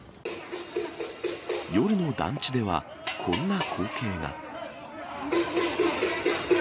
夜の団地では、こんな光景が。